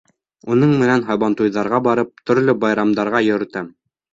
— Уның менән һабантуйҙарға барып, төрлө байрамдарға йөрөтәм.